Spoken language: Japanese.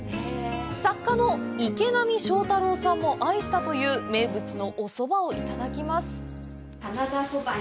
作家の池波正太郎さんも愛したという名物のおそばをいただきます。